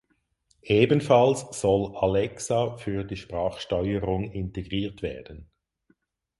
Ebenfalls soll Alexa für die Sprachsteuerung integriert werden.